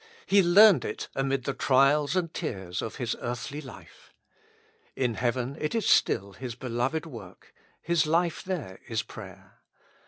He learned it amid the trials and tears of His earthly life. In heaven it is still His beloved work; His life there is prayer.